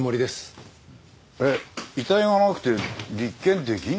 えっ遺体がなくて立件できんの？